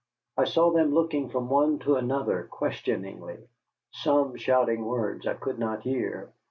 I saw them looking from one to another questioningly, some shouting words I could not hear.